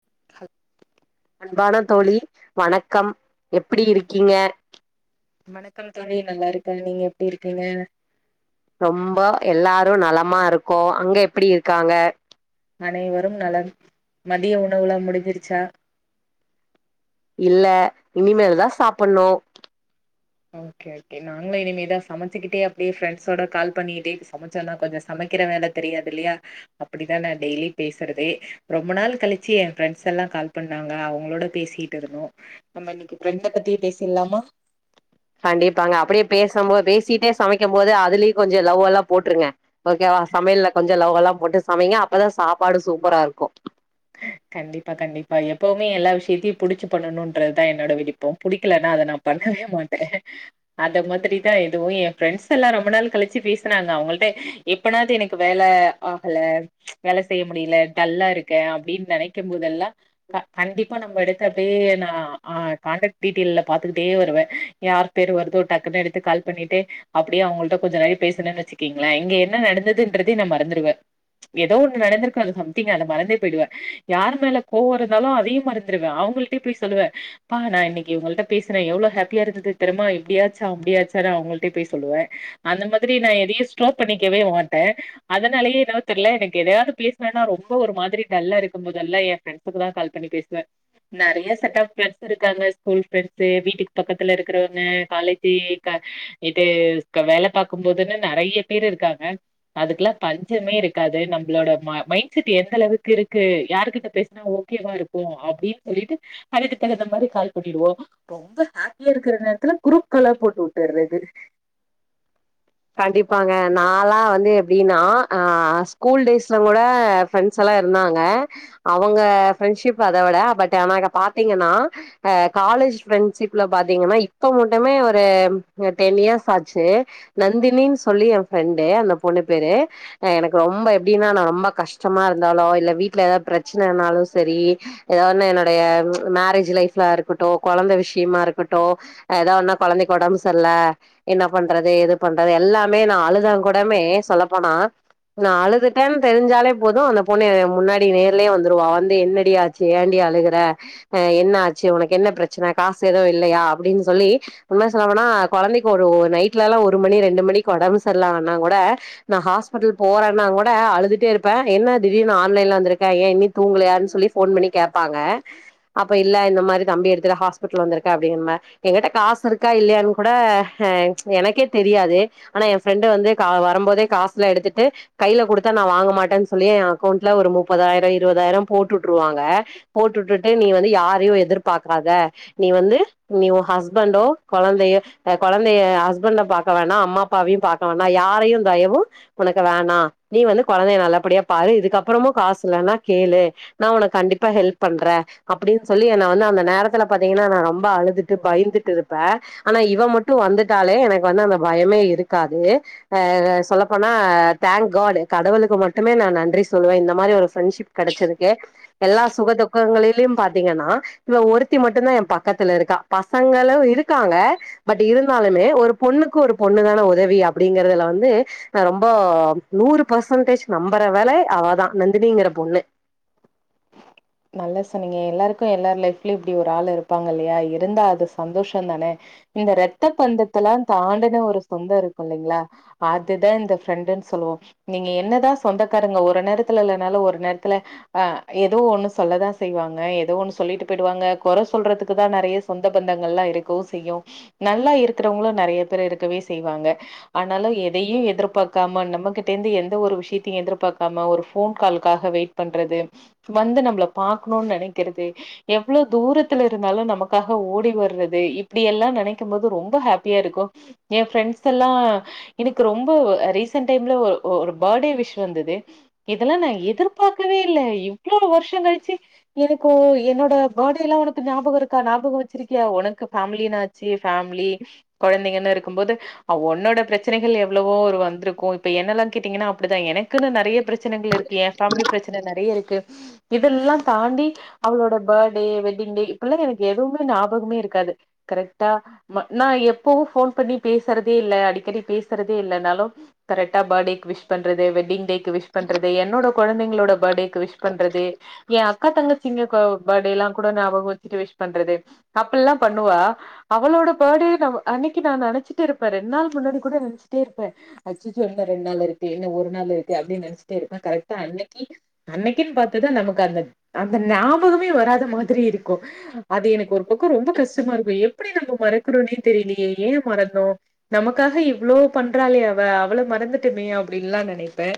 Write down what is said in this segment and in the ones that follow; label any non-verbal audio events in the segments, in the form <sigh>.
கத் அன்பான தோழி வணக்கம் எப்பிடி இருக்கீங்க வணக்கம் தோழி நல்லா இருக்கேன் நீங்க எப்டி இருக்கீங்க ரொம்ப எல்லாரு நலமாருக்கோ அங்க எப்பிடி இருக்காங்க அனைவரும் நலம் மதியோ உணவுலா முடிஞ்சிருச்சா இல்ல இனிமேல்தா சாப்புட்ணு ஓகே ஓகே நாங்களு இனிமேதா சமைச்சிக்கிட்டே அப்டியே ஃப்ரெண்ட்ஸோட கால் பண்ணிக்கிட்டே சமைச்சோனா கொஞ்சோ சமைக்கிற வேல தெரியாதில்லையா அப்டிதா நா டெய்லி பேசறதே ரொம்ப நாள் கழிச்சு ஏ ஃப்ரெண்ட்ஸெல்லா கால் பண்ணாங்க அவங்களோட பேசிட் ருக்குதுன்னு நம்ம இன்னைக்கி ஃப்ரரெண்ட பத்தியே பேசிட்லாமா கண்டிப்பாங்க அப்டியே பேசும் போது பேசிட்டே சமைக்கு போது அதுலையு கொஞ்ச லவ்வல்லா போட்ருங்க ஓகேவா சமையல்ல கொஞ்சம் லவ்வல்லா போட்டு சமையிங்க அப்பதான் சாப்பாடு சூப்பரா இருக்கும் கண்டிப்பா கண்டிப்பா எப்வுமே எல்லா விஷயத்தையு புடிச்சு பண்ணணும்ன்றதுதா என்னோட விருப்பம் புடிக்கலன்னா அத நாப் பண்ணவே மாட்டேன் அத மாதிரிதான் எதுவும் ஏன் ஃப்ரெண்ட்ஸ்ல்லா ரொம்ப நாள் கழிச்சி பேசுனாங்க அவுங்கிள்ட்ட எப்பனாது எனக்கு வேல ஆகல வேல செய்ய முடில டல்லா இருக்கேன் அப்டின் நெனைக்கும்மோதெல்லாம் க கண்டிப்பா நம்ம எடுக்றது நா ஆ காண்டெக்ட் டீட்டெயில்ல பாத்துக்கிட்டே வருவேன் யார் பேரு வருதோ டக்குன்னு எடுத்து கால் பண்ணிட்டு அப்படியே அவங்கள்ட கொஞ்ச நாழி பேசணன்னு வச்சுக்கீங்கள இங்க என்ன நடந்ததுன்றதையே நா மறந்துருவே ஏதோ ஒண்ணு நடந்துருக்கு அது சம்திங் அத மறந்தே போயிடுவே யார் மேல கோவருந்தாலு அதையு மறந்துருவே அவங்கள்டியே போய் சொலுவே பா நா இன்னைக்கி இவுங்கள்ட பேசுனே எவ்ளோ ஹேப்பியா இருந்தது தெர்மா இப்டியாச்சா அப்டியாச்சான்னு அவங்கள்டியே போய் சொல்லுவே அந்த மாதிரி நா எதையு ஸ்டோப் பண்ணிக்கவே மாட்டே அதனாலையே என்னவோ தெர்ல எனக்கு எதையாவது பேசுண்ணனா ரொம்ப ஒரு மாதிரி டல்லாருக் <unintelligible> முதல்ல ஏ ஃப்ரண்ஸ்க்கு தா கால் பண்ணி பேசுவே நறைய செட் ஆஃப் ப்ரெண்ட்ஸ்ருக்காங்க ஸ்கூல் ப்ரெண்ட்ஸ் வீட்டுக்கு பக்கத்துல இருக்குறவங்க காலேஜி கா இது க வேல பாக்கும்போதுன்ன நறைய பேர் இருக்காங்க அதுக்கலா பஞ்சமே இருக்காது நம்பளோட ம மைண்ட் செட் எந்த அளவுக்கு இருக் கு யாருகிட்ட பேசுனா ஓகேவா இருக்கு அப்டின் சொல்லிட்டு அதுக்கு தகுந்த மாரி கால் பண்ணிடுவோ ரொம்ப ஹாப்பியாருக்குற நேரத்துல குருப்புல்லா போட்டு உட்டர்றது கண்டிப்பாங்க நாலா வந்து எப்டினா ஆ ஸ்கூல் டேஸ்ல கூட ஃப்ரெண்ட்ஸெல்லா இருந்தாங்க அவங்க ஃப்ரெண்ட்ஷிப் அத விட பட் ஆனாக்கா பாத்தீங்கனா அ காலேஜ் ஃப்ரெண்ட்ஷிப்ல பாத்தீங்கனா இப்ப மட்டுமே ஒரு டென் இயர்ஸ் ஆச்சி நந்தினின்னு சொல்லி ஏ ஃப்ரெண்டு அந்த பொண்ணு பேரு எ எனக்கு ரொம்ப எப்டினா நா ரொம்ப கஷ்டமாருந்தாலோ இல்ல வீட்ல எதா பிரச்சனனாலு செரி எதா ஒன்ன என்னோடைய மேரேஜ் லைஃப்லருக்கட்டு கொழந்த விஷ்யமாருக்கட்டு எதா ஒன்னா கொழந்தைக்கி ஒடம்பு சர்ல என்ன பண்றது எது பண்றது எல்லாமே நா அழுதா கூடமே சொல்லப்போனா நா அழுதட்டன் தெரிஞ்சாலே போது அந்த பொண்ணு ஏ முன்னாடி நேர்லையே வந்துருவா வந்து என்னடி ஆச் சி ஏண்டி அழுகற அ என்ன ஆச்சு உனக்கு என்ன பிரச்சன காசு ஏதோ இல்லையா அப்டின் சொல்லி உண்மை சொல்லபோனா கொழந்தைக்கு ஒரு நைட்லல்லா ஒரு மணி ரெண்டு மணிக்கி ஒடம்பு சர்லான்னா கூட நா ஹாஸ்பிட்டல் போறன்னாங்கூட அழுதுட்டேருப்ப என்ன திடீர்னு ஆன்லைன்ல வந்துருக்க ஏ இன்னி தூங்கலையான் சொல்லி ஃபோன் பண்ணி கேப்பாங்க அப்ப இல்ல இந்த மாரி தம்பி எடுத்துட்டு ஹாஸ்பிடல் வந்துருக்க அப்டிம்ப எங்கிட்ட காசுருக்கா இல்லையான் கூட அ எனக்கே தெரியாது ஆனா ஏ ஃப்ரெண்டு வந்து கா வரம்போதே காசுல எடுத்துட்டு கையில குடுத்தா நா வாங்க மாட்டேன் சொல்லி ஏ அக்கௌண்ட்ல ஒரு முப்பதாயிரோ இருபதாயிரோ போட்டுட்டுருவாங்க போட்டுட்டுட்டு நீ வந்து யாரயு எதிர்பாக்காத நீ வந்து நீ ஒ ஹஸ்பண்டோ கொழந்தையோ அ கொழந்தய ஹஸ்பண்ட பாக் க்க வேணா அம்மா அப்பாவையு பாக்க வேணா யாரையு தயவு ஒனக்கு வேணா நீ வந்து கொழந்தய நல்லபடியா பாரு இதுக்கப்றமு காசு இல்லன்னா கேளு நா ஒனக்கு கண்டிப்பா ஹெல்ப் பண்றே அப்டின்னு சொல்லி என்ன வந்து அந்த நேரத்துல பாத்தீங்கன்னா நா ரொம்ப அழுதுட்டு பய்ந்துட்டு இருப்பே ஆனா இவ மட்டு வந்துட்டாலே எனக்கு வந்து அந்த பயமே இருக்காது ஆ சொல்லப்போனா தேங்க் காட் கடவுளுக்கு மட்டுமே நா நன்றி சொல்வே இந்த மாரி ஒரு ஃப்ரெண்ட்ஷிப் கடச்சதுக்கு எல்லா சுக துக்கங்களிலயு பாத்தீங்கன்னா இவ ஒருத்தி மட்டுதா ஏ பக்கத்துல இருக்கா பசங்களு இருக்காங்க பட் இருந்தாலுமே ஒரு பொண்ணுக்கு ஒரு பொண்ணுதான உதவி அப்டிங்கறதுல வந்து ஆனா ரொம்ப நூறு பர்சன்டேஜ் நம்புறவல அவதா நந்தினிங்கற பொண்ணு நல்லா சொன்னிங்க எல்லாருக்கு எல்லாரு லைஃப்லு இப்டி ஒரு ஆளு இருப்பாங்கில்லையா இருந்தா அது சந்தோஷோ தான இந்த ரெத்த தந்தத்தெல்லா தாண்டுன ஒரு சொந்தோ இருக்குல்லைங்களா அதுதா இந்த ஃப்ரெண்டுன்னு சொல்லுவோ நீங்க என்னதா சொந்தக்காரங்க ஒரு நேரத்துல இல்லனாலு ஒரு நேரத்துல ஆ ஏதோ ஒன்னு சொல்லதா செய்வாங்க ஏதோ ஒன்னு சொல்லிட்டு போய்டுவாங்க கொற சொல்றதுக்குத்தா நறையா சொந்த பந்தங்கள்லா இருக்கவு செய்யு நல்லா இருக்கிறவங்களு நறயா பேரு இருக்கவே செய்வாங்க ஆனாலு எதையு எதிர்பாக்காம நம்மகிட்ட இருந்து எந்த ஒரு விஷயத்தையு எதிர்பாக்காம ஒரு ஃபோன் கால்க்காக வெயிட் பண்றது வந்து நம்மள பாக்ணுனு நெனைக்கறது எவ்ளோ தூரத்துல இருந்தாலு நமக்காக ஓடி வர்றது இப்டியெல்லா நெனைக்கு போது ரொம்ப ஹாப்பியா இருக்கு ஏ ஃப்ரெண்ட்ஸ் எல்லா எனக்கு ரொம்ப ரீசன்ட் டைம்ல ஒரு ஒரு பேர்டே விஷ் வந்துது இதெல்லா நா எதிர்பாக்கவே இல்ல இவ்ளோ வர்ஷோ கழிச்சு எனக்கு என்னோட பேட்டேல்லா உனக்கு ஞாபகோ இருக்கா ஞாபகோ வெச்சிருக்கியா ஒனக்கு ஃபேமிலினாச்சு ஃபேமிலி கொழந்தங்கன்னு இருக்கும் போது ஒன்னோட பிரச்சனைகள் எவ்ளோவோ ஒரு வந்துருக்கு இப்ப என்னெல்லா கேட்டீங்கன்னா அப்டிதா எனக்குன்னு நறயா பிரச் பிரச்சனைகள் இருக்கு ஏ ஃபேமிலி பிரச்சன நறையா இருக்கு இதெல்லா தாண்டி அவளோட பேட்டே வெட்டிங் டே இப்ப எல்லா எனக்கு எதுமே ஞாபகமே இருக்காது கரெக்டா நா எப்பவு ஃபோன் பண்ணி பேசுறதே இல்ல அடிக்கடி பேசறதே இல்லனாலு கரெக்டா பேட்டேக் விஷ் பண்றது வெட்டிங் டேக் கு விஷ் பண்றது என்னோட கொழந்தைங்களோட பேட்டேக்கு விஷ் பண்றது ஏ அக்கா தங்கசிங்க கோ பர்டேல்லா கூட ஞாபகோ வச்சுட்டு விஷ் பண்றது அப்பில்லா பண்ணுவா அவளோட பேர்டே அன்னைக்கு நா நெனச்சிட்டு இருப்பே ரெண் நாள் முன்னாடி கூட நெனச்சுட்டே இருப்பே அச்சச்சோ இன்னோ ரெண் நாள் இருக்கு இன்ன ஒரு நாள் இருக்கு அப்டின்னு நெனச்சுட்டே இருப்பே கரெக்டா அன்னைக்கி அன்னைக்கின் பாத்துதா நமக் கு அந்த அந்த ஞாபகமே வராத மாதிரி இருக்கு அது எனக்கு ஒரு பக்கோ ரொம்ப கஷ் ட்டமா இருக்கு எப்புடி நம்ம மறக்கறோம்னே தெரியலையே ஏ மறந்தோ நமக்காக இவ்ளோ பண்றாலே அவ அவள மறந்துட்டோமே அப்டின்ல்லா நெனப்பே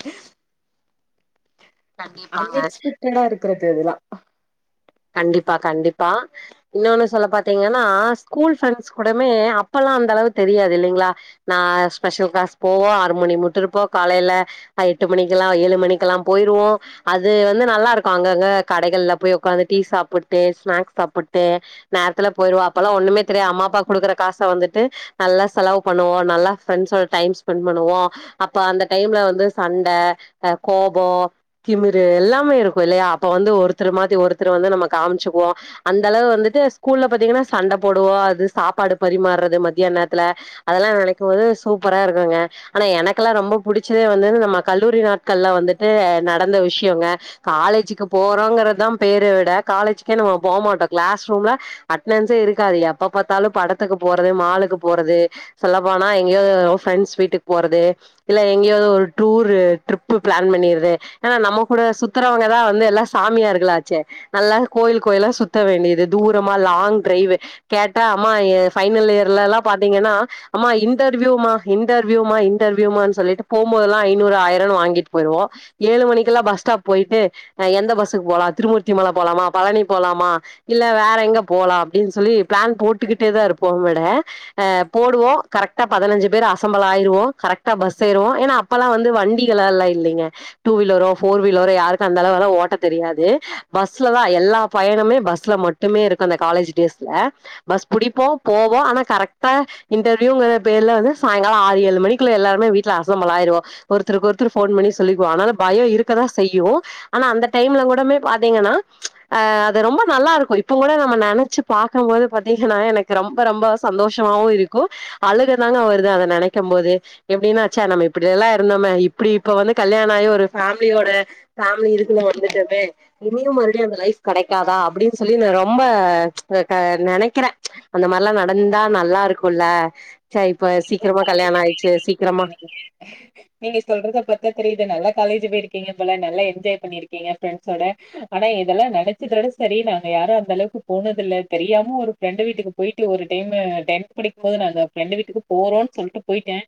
கண்டிப்பாங்க அன்எக்ஸ்பெக்டடா இருக்கறது இதெல்லா கண்டிப்பா கண்டிப்பா இன்னோன்னு சொல்ல பாத்தீங்கன்னா ஸ்கூல் ஃப்ரெண்ட்ஸ் கூடமே அப்பெல்லா அந்த அளவு தெரியாது இல்லைங்ளா நா ஸ்பெஷல் கிளாஸ் போவோ ஆறு மணி மட்டு இருப்போ காலேயில எட்டு மணிக்கெல்லா ஏழு மணிக்கெல்லா போயிருவோ அது வந்து நல்லா இருக்கும் அங்கங்க கடைகள்ல போய் உக்காந்து டீ சாப்புட்டு ஸ்நாக்ஸ் சாப்புட்டு நேரத்துல போயிருவோ அப்பல்லா ஒன்னுமே தெரியாது அம்மா அப்பாக்குடுக்குற காச வந்துட்டு நல்லா செலவு பண்ணுவோ நல்லா ஃப்ரெண்ட்ஸோட டைம் ஸ்பெண்ட் பண்ணுவோ அப்ப அந்த டைம்ல வந்து சண்ட அ கோபோ திமிரு எல்லாமே இருக்கும் இல்லையா அப்ப வந்து ஒருத்தர் மாத்தி ஒருத்தர் வந்து நம்ம காம்ச்சுக்குவோ அந்த அளவு வந்துட்டு ஸ்கூல்ல பாத்தீங்கன்னா சண்ட போடுவோ அது சாப்பாடு பரிமார்றது மத்தியான நேரத்துல அதெல்லா நெனைக்கும்போது சூப்பரா இருக்குங்க ஆனா எனக்கெல்லா ரொம்ப புடிச்சது வந்து நம்ம கல்லூரி நாட்கள்ல வந்துட்டு நடந்த விஷ்யொங்க காலேஜுக்கு போறோங்குறதா பேருவிட காலேஜ்க்கே நம்ம போமாட்டோ கிளாஸ் ரூம்ல அட்னன்ஸே இருக்காது எப்ப பாத்தாலு படத்துக்கு போறது மாலுக்கு போறது சொல்ல போனா எங்கேயோ ஃப்ரெண்ட்ஸ் வீட்டுக் போறது இல்ல எங்கயோ ஒரு டூரு ட்ரிப்பு பிளான் பண்ணிருது ஏன்னா கூட சுத்துறவங்கதா வந்து எல்லா சாமியார்கலா ச்சே நல்லா கோயில் கோயிலா சுத்த வேண்டியது தூரமா லாங் டிரைவ் கேட்டா அம்மா ஃபைனல் இயர்ல எல்லா பாத்தீங்கன்னா ஆமா இன்டர்வியூமா இன்டர்வியூமா இன்டர்வியூமானு சொல்லிட்டு போம்போதெல்லா ஐநூறு ஆயிருவானு வாங்கிட்டு போய்டுவோ ஏழு மணிக்குல்லா பஸ் ஸ்டாப் போயிட்டு அ எந்த பஸ்ஸுக்கு போலா திருமூர்த்தி மல போலாமா பழனி போலாமா இல்ல வேற எங்க போலா அப்டின் சொல்லி பிளான் போட்டுகிட்டே தா இருப்போ மெட போடுவோ கரெக்டா பதினஞ்சு பேர் அசம்பள் ஆயிருவோ கரெக்டா பஸ் ஏறுவோ ஏன்னா அப்பெல்லா வந்து வண்டிகள்லல்லா இல்லைங்க டூ வீலரோ போஃபோர் வீலரோ யாருக்கு அந்த அளவுலா ஓட்ட தெரியாது பஸ்லதா எல்லா பயணமே பஸ்ல மட்டுமே இருக்கு அந்த காலேஜ் டேஸ்ல பஸ் புடிப்போ போவோ ஆனா கரெக்டா இன்டர்வியூங்கிற பேருல வந்து சாயங்கால ஆறு ஏழு மணக்குல எல்லாருமே வீட்ல அசம்பல் ஆயிருவோ ஒருத்தருக்கு ஒருத்தர் ஃபோன் பண்ணி சொல்லிக்குவோ ஆனால பயொ இருக்கதா செய்யு ஆனா அந்த டைம்ல கூடமே பாத்தீங்கன்னா ஆ அது ரொம்ப நல்லா இருக்கு இப்ப கூட நம்ம நெனச்சு பாக்கம்போது பாத்தீங்கன்னா எனக் கு ரொம்ப ரொம்ப சந்தோஷமாவு இருக்கு அழக தாங்க வருது அத நெனைக்கும் போது எப்டின்னா ச நம்ம இப்டியெல்லா இருந்தோமே இப்டி இப்ப வந்து கல்யாண ஆயி ஒரு ஃபேமிலியோட ஃபேமிலி இருக்குதா வந்துட்டமே இனியு மாருபடியு அந்த லைஃப் கெடைக்காதா அப்டின்னு சொல்லி நா ரொம்ப அ க நெனைக்கிறே அந்த மாரிலா நடந்தா நல்லா இருக்குல்ல ச இப்ப சீக்கிரமா கல்யாண ஆயிச்சு சீக்கிரமா ஆ நீங்க சொல்றத பத்தா தெரியுது நல்ல காலேஜ் போயிருக்கீங்க போல நல்லா என்ஜாய் பண்ணிருக்கீங்க ஃப்ரெண்ட்ஸோட ஆனா இதெல்லா நெனச்சதொட சரி நாங்க யாரு அந்த அளவுக்கு போனதுல்ல தெரியாம ஒரு ஃப்ரெண்ட் வீட்டுக்கு போயிட்டு ஒரு டைம் டென்த் படிக்கும் போது நாங்க ஃப்ரெண்டு வீட்டுக்கு போறோனு சொல்ட்டு போயிட்டே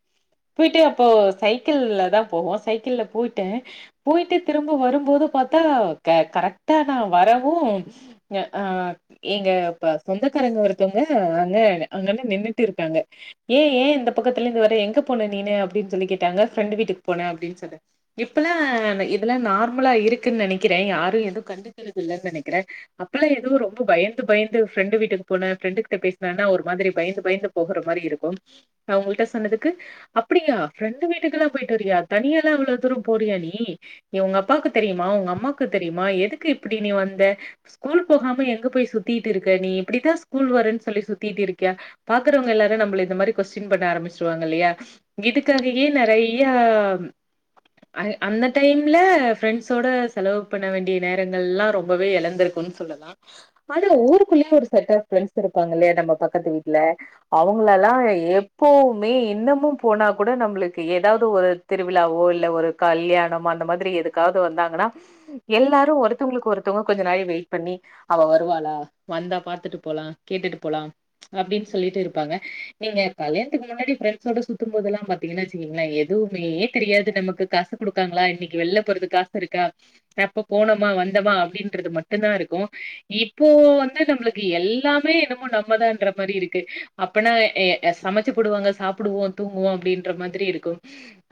போயிட்டு அப்போ சைக்கிள்ல தா போவோ சைக்கிள்ல போயிட்டே போயிட்டு திரும்ப வரும்போது பாத்தா க கரெக்டா நா வரவு அ ஆ எங்க இப்ப சொந்தக்காரங்க ஒருத்தவங்க அங்கன் அங்கன்னு நின்னுட்டு இருக்காங்க ஏய் ஏ இந்த பக்கத்துலந்து வர எங்க போன நீனு அப்டின் சொல்லி கேட்டாங்க ஃப்ரெண்டு வீட்டுக்கு போன அப்டின்னு சொன்னே இப்பல்லா ன் இதெல்லா நார்மலா இருக்குன் நெனைக்கிறே யாரு எது கண்டுக்குறதுல்லன் நெனைக்கிறே அப்பல்லா எதவு ரொம்ப பயந்து பயந்து ஃப்ரெண்டு வீட்டுக்கு போன ஃப்ரெண்டு கிட்ட பேசனேனா ஒரு மாதிரி பயந்து பயந்து போகுற மாரி இருக்கு அவங்கள்ட்ட சொன்னதுக்கு அப்டியா ஃப்ரெண்டு வீட்டுக்குல்லா போயிட்டு வரியா தனியாலா இவ்ளோ தூரொ போறியா நீ நீ உங்க அப்பாக்கு தெரியுமா உங்க அம்மாக்கு தெரியுமா எதுக்கு இப்டி நீ வந்த ஸ்கூல் போகாம எங்க போய் சுத்திட்டு இருக்க நீ இப்டிதா ஸ்கூல் வரன் சொல்லி சுத்திட்டு இருக்கியா பாக்குறவங்க எல்லாரு நம்ள இந்ந மாரி கொஸ்டின் பண்ண ஆரம்பிச்சிருவாங்க இல்லையா இதுக்காகையே நறைய அந் அந்த டைம்ல ஃப்ரெண்ட்ஸோட செலவு பண்ண வேண்டிய நேரங்கள்லா ரொம்பவே எழந்துருக்குன் சொல்லலா ஆனா ஊருக்குள்ளயே ஒரு செட் ஆஃப் ஃப்ரெண்ட்ஸ் இருப்பாங்க இல்லையா நம்ம பக்கத்து வீட்ல அவங்கள எல்லா எ எப்பவுமே இன்னமு போனா கூட நம்மளுக்கு ஏதாவது ஒரு திருவிழாவோ இல்ல ஒரு கல்யாணம் அந்த மாதிரி எதுக்காவுது வந்தாங்கன்னா எல்லாரு ஒருத்தவ்ங்களுக்கு ஒருத்தவ்ங்க கொஞ்ச நேர வெயிட் பண்ணி அவ வருவாளா வந்தா பாத்துட்டு போலா கேட்டுட்டு போலா அப்டின் சொல்லிட்டு இருப்பாங்க நீங்க கல்யணத்துக்கு முன்னாடி ஃபிரெண்ட்ஸோட சுத்தும் போதெல்லா பாத்தீங்கனா வெச்சுக்கங்களே எதுவுமே தெரியாது நமக்கு காசு குடுக்காங்களா இன்னைக்கு வெள்ல போறதுக்கு காசு இருக்கா அப்ப போனமா வந்தமா அப்டின்றது மட்டுந்தா இருக்கு இப்போ வந்து நம்மளுக்கு எல்லாமே என்னமோ நம்மதான்ற மாரி இருக்கு அப்பனா ஏ அ சமைச்சு போடுவாங்க சாப்புடுவோ தூங்குவோ அப்டின்ற மாதிரி இருக்கு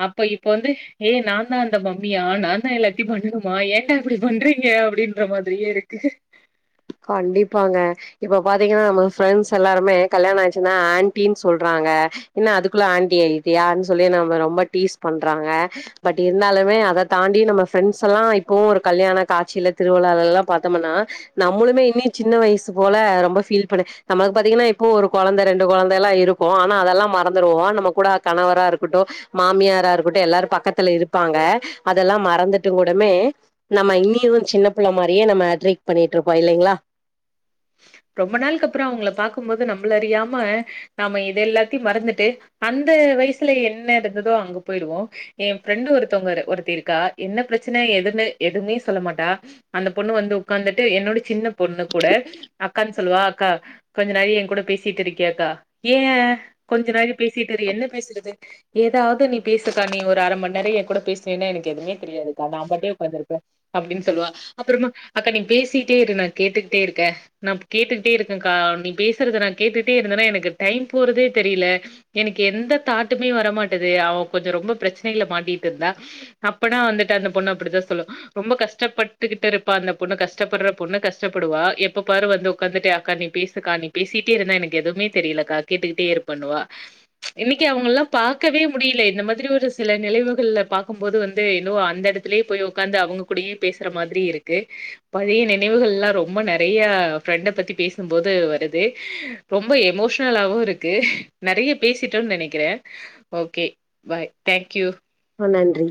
அப்ப இப்ப வந்து ஏ நாந்தா அந்த மம்மியா நாந்தா எல்லாத்தையு பண்ணனுமா ஏன்டா இப்டி பண்றீங்க அப்டின்ற மாதிரியே இருக்கு கண்டிப்பாங்க இப்ப பாத்தீங்கனா நம்ம ஃப்ரெண்ட்ஸ் எல்லாருமே கல்யாண ஆயிருச்சுனா ஆண்ட்டின் சொல்றாங்க என்ன அதுக்குள்ள ஆண்ட்டி ஆயிட்டியான் சொல்லி நம்மள ரொம்ப டீஸ் பண்றாங்க பட் இருந்தாலுமே அத தாண்டி நம்ம ஃப்ரெண்ட்ஸெல்லா இப்போவு ஒரு கல்யாண காட்சில திருவிழாலலா பாத்தமுனா நம்மளுமே இன்னி சின்ன வயசு போல ரொம்ப ஃபீல் பண்ண நமக்கு பாத்தீங்கனா இப்பவு ஒரு கொழந்த ரெண்டு கொழந்தலா இருக்கு ஆனா அதெல்லா மறந்துருவோ நம்ம கூட கணவரா இருக்கட்டு மாமியாரா இருக்கட்டு எல்லாரு பக்கத்துல இருப்பாங்க அதெல்லா மறந்துட்டுங் கூடமே நம்ம இன்னியு சின்ன பிள்ள மாரியே நம்ம ட்ரிக்ட் பண்ணிக்கிட்ருக்கோ இல்லைங்ளா ரொம்ப நாள்க்கு அப்றோ அவ்ங்கள பாக்கும்போது நம்மள அறியாம நம்ம இதெல்லாத்தையு மறந்துட்டு அந்த வயசுல என்ன இருந்ததோ அங்க போயிடுவோ என் ஃப்ரெண்டு் ஒருத்தவ்ங்க இரு ஒருத்தி இருக்கா என்ன பிரச்சன எதுன்னு எதுமே சொல்ல மாட்டா அந்த பொண்ணு வந்து உக்காந்துட்டு என்னோட சின்ன பொண்ணு கூட அக்கான் சொல்லுவா அக்கா கொஞ்ச நேர எங்கூட பேசிட்டு இருக்கியாக்கா ஏ கொஞ்ச நேய பேசிட்டு இரு என்ன பேசுறது எதாவ்து நீ பேசுக்கா நீ ஒரு அர மண் நேர எ கூட பேசுனீனா எனக்கு எதுமே தெரியாதுக்கா நா பாட்டே உக்காந்துருப்பே அப்டின் சொல்லுவா அப்பறமா அக்கா நீ பேசிட்டே இரு நா கேட்டுக்கிட்டே இருக்கே நாப் கேட்டுக்கிட்டே இருக்கேக்கா நீ பேசுறத நா கேட்டுட்டே இருந்தனா எனக்கு டைம் போறதே தெரியல எனக்கு எந்த தாட்டுமே வரமாட்டிது அவ கொஞ்ச ரொம்ப பிரச்சனைள மாட்டிட்டு இருந்தா அப்பனா வந்துட்டு அந்த பொண்ணு அப்டிதா சொல்லு ரொம்ப கஷ்டப்பட்டுக்கிட்டு இருப்பா அந்த பொண்ணு கஷ்டப்பட்ற பொண்ணு கஷ்டப்படுவா எப்ப ப்பாரு வந்து ஒக்காந்துட்டு அக்கா நீ பேசுக்கா நீ பேசிட்டே இருந்தா எனக்கு எதுவுமே தெரியலக்கா கேட்டுக்கிட்டே இருப்பன்னுவா இன்னைக்கு அவ்ங்கல்லா பாக்கவே முடியல இந்த மாதிரி ஒரு சில நிலைவுகள்ல பாக்கும் போது வந்து இன்னு அந்த எடத் துலே போய் ஒக்காந்து அவ்ங்க கூடயே பேசுற மாதிரி இருக்கு பழைய நினைவுகள்லா ரொம்ப நெறை யா ஃப்ரெண்ட பத்தி பேசும்போது வருது ரொம்ப எமோஷ்னலாவு இருக்கு நெறைய பேசிட்டோன் நெனைக்கிறே ஓகே பாய் தேங்க் யூ ஆ நன்றி